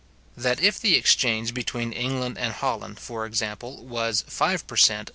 That if the exchange between England and Holland, for example, was five per cent.